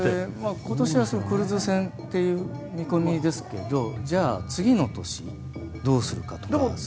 今年はクルーズ船という見込みですけどじゃあ、次の年どうするかとか。